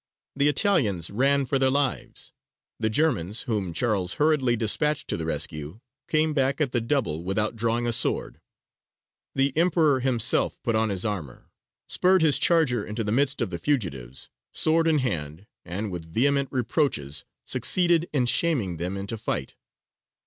The Italians ran for their lives. The Germans whom Charles hurriedly despatched to the rescue came back at the double without drawing a sword. The Emperor himself put on his armour, spurred his charger into the midst of the fugitives, sword in hand, and with vehement reproaches succeeded in shaming them into fight.